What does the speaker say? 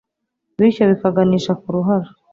bityo bikaganisha ku ruhara